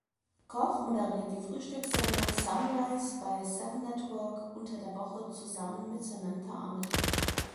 Koch moderiert die Frühstückssendung „Sunrise“ bei Seven Network unter der Woche zusammen mit Samantha Armytage.